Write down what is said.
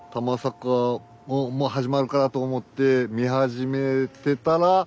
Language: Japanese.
もう始まるかなと思って見始めてたらあら！